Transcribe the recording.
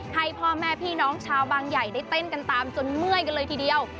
ให้พ่อแม่พี่น้องชาวบางใหญ่ได้เต้นกันตามจนเมื่อยกันเลยทีเดียว